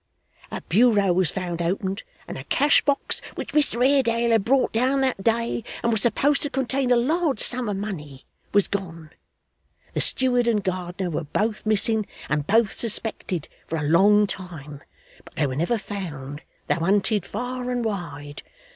'A bureau was found opened, and a cash box, which Mr Haredale had brought down that day, and was supposed to contain a large sum of money, was gone. The steward and gardener were both missing and both suspected for a long time, but they were never found, though hunted far and wide.